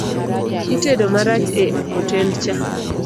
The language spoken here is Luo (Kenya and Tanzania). Itedo marach e hotend cha